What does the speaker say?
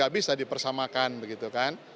bisa dipersamakan begitu kan